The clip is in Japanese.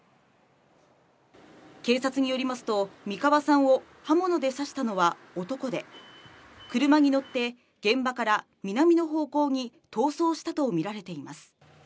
警察によりますと、三川さんを刃物で刺したのは男で、車に乗って現場から南の方向に逃走したとみられています。